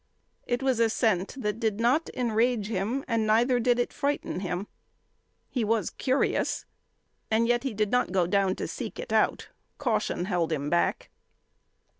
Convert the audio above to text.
It was a scent that did not enrage him, and neither did it frighten him. He was curious, and yet he did not go down to seek it out. Caution held him back.